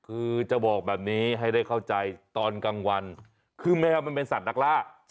คือจะบอกแบบนี้ให้ได้เข้าใจตอนกลางวันคือแมวมันเป็นสัตว์นักล่า